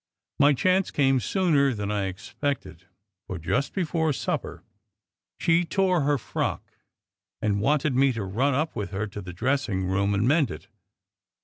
My chance came sooner than I ex pected, for just before supper she tore her frock and wanted me to run up with her to the dressing room and mend it.